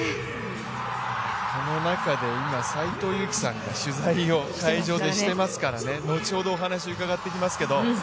この中で今、斎藤佑樹さんが取材を会場でしていますから、後ほどお話伺っていきますけれども。